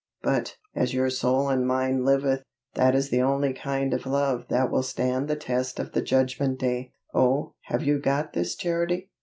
But, as your soul and mine liveth, that is the only kind of love that will stand the test of the Judgment Day. Oh, have you got this Charity?